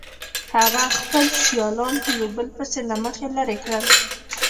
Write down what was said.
هغه خپل سیالان یو په بل پسې له مخې لرې کړل